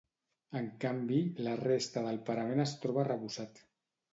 En canvi, la resta del parament es troba arrebossat.